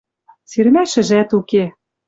Сирмӓшӹжӓт уке...